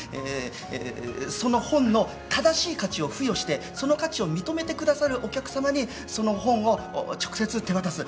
その本の正しい価値を付与してその価値を認めてくださるお客様にその本を直接手渡す。